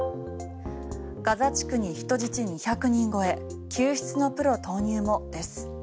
ガザ地区に人質２００人超え救出のプロ投入もです。